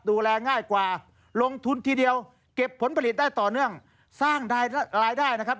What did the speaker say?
ดูแลง่ายกว่าลงทุนทีเดียวเก็บผลผลิตได้ต่อเนื่องสร้างรายได้นะครับ